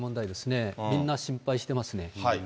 みんな心配してますね。